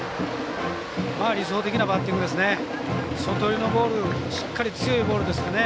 理想的なバッティングですね。